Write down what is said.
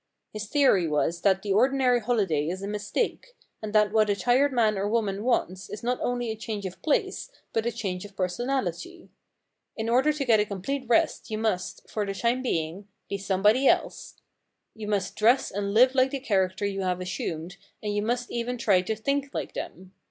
His theory was that the ordinary holiday is a mistake, and that what a tired man or woman wants is not only a change of place but a change of personality. In order to get a complete rest you must, for the time being, be somebody else. You must dress and live like the character you have assumed and you must even try to think like him.